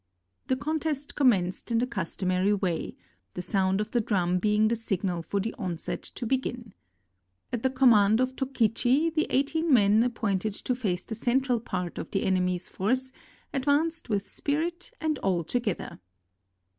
The contest commenced in the customary way, the sound of the drum being the signal for the onset to begin. At the command of Tokichi the eighteen men appointed to face the central part of the enemy's force advanced with spirit and all together.